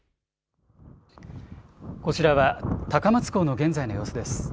こちらは、高松港の現在の様子です。